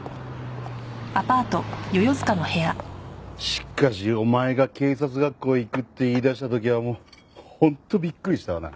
しかしお前が警察学校へ行くって言いだした時はもう本当びっくりしたわな。